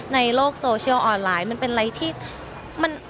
ในโลกโซเชียลออนไลน์มันเป็นอะไรที่มัน